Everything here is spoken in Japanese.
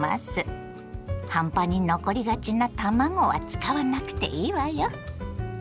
半端に残りがちな卵は使わなくていいわよ。